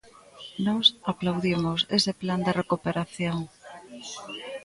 Nós aplaudimos ese plan de recuperación.